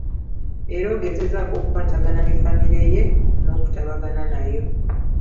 Era ogezezzaako okukwatagana ne Famire ye n'okutabagana nayo.